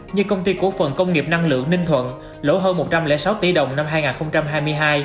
như công ty cổ phần công nghiệp năng lượng ninh thuận lỗ hơn một trăm linh sáu tỷ đồng năm hai nghìn hai mươi hai